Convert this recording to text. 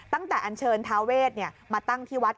ตั้งแต่อันเชิญทาเวศมาตั้งที่วัด